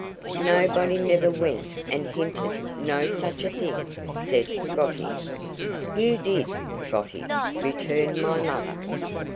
'Nobody never went and hinted no such a thing,' said Peggotty. 'You did, Peggotty!' returned my mother.